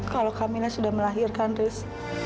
kalau kamila sudah melahirkan ras